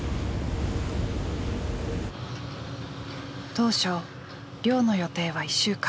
当初漁の予定は１週間。